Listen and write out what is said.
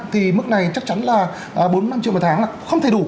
thì mức này chắc chắn là bốn năm triệu một tháng là không thể đủ